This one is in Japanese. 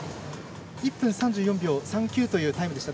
１分３４秒３９というタイムでした。